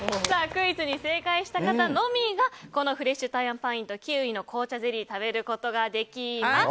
クイズに正解した方のみがフレッシュ台湾パインとキウイの紅茶ゼリーを食べることができます。